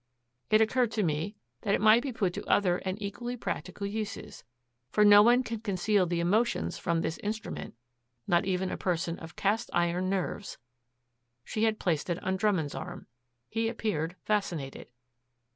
It occurred to me that it might be put to other and equally practical uses. For no one can conceal the emotions from this instrument, not even a person of cast iron nerves." She had placed it on Drummond's arm. He appeared fascinated.